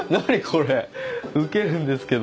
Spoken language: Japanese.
これウケるんですけど。